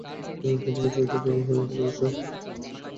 তুমি কি ঠিকভাবে তা পেরেছ?